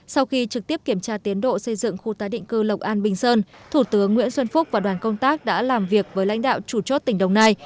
sau khi trực tiếp kiểm tra tiến độ xây dựng khu tái định cư lộc an bình sơn thủ tướng nguyễn xuân phúc và đoàn công tác đã làm việc với lãnh đạo chủ chốt tỉnh đồng nai